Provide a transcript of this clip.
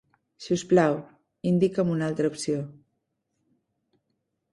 Si us plau, indica'm una altra opció.